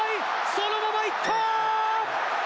そのままいった！